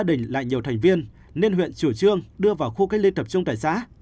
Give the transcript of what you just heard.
mình lại nhiều thành viên nên huyện chủ trương đưa vào khu cách ly tập trung tại xã